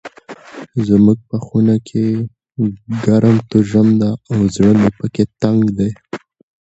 زموږ په خونه کې ګرم توژم ده او زړه مې پکي تنګ ده.